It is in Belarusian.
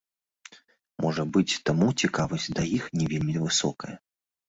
Можа быць, таму цікавасць да іх не вельмі высокая.